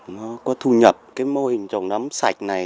nó có thu nhập cái mô hình trồng nấm sạch này